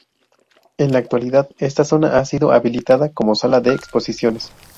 En la actualidad esta zona ha sido habilitada como sala de exposiciones.